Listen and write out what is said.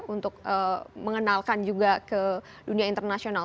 untuk mengenalkan juga ke dunia internasional